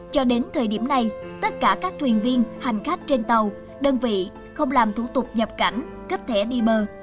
cho đến thời điểm này tất cả các thuyền viên hành khách trên tàu đơn vị không làm thủ tục nhập cảnh cấp thẻ đi bờ